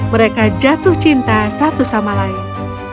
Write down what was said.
mereka jatuh cinta satu sama lain